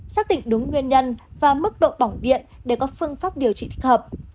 xác định đúng nguyên nhân và mức độ bỏng điện để có phương pháp điều trị thích hợp